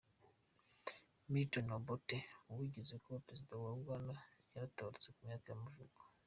Milton Obote, uwigeze kuba perezida wa Uganda yaratabarutse ku myaka y’amavuko.